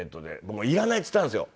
僕は「いらない」って言ったんですよ。